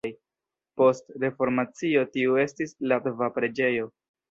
Post Reformacio tiu estis latva preĝejo.